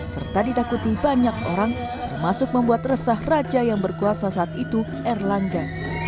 serta ditakuti banyak orang termasuk membuat resah raja yang berkuasa saat itu erlangga